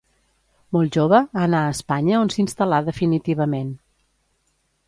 Molt jove anà a Espanya, on s'instal·là definitivament.